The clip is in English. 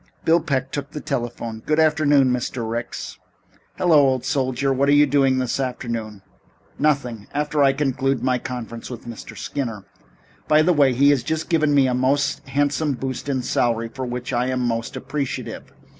Bill Peck took the telephone. "Good afternoon, Mr. Ricks." "Hello, old soldier. What are you doing this afternoon?" "Nothing after I conclude my conference with Mr. Skinner. By the way, he has just given me a most handsome boost in salary, for which I am most appreciative.